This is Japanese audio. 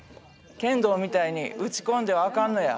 剣道みたいに打ち込んではあかんのや。